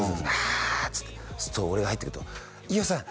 「あ」っつってすると俺が入ってくると「飯尾さん